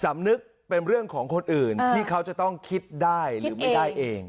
สำนึกเป็นเรื่องของคนอื่นที่เขาจะต้องคิดได้หรือไม่ได้เอง